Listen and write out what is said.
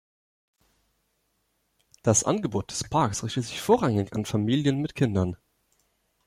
Das Angebot des Parks richtet sich vorrangig an Familien mit Kindern.